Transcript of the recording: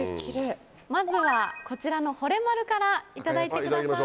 まずはこちらのほれまるからいただいてください。